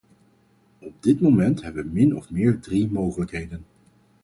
Op dit moment hebben we min of meer drie mogelijkheden.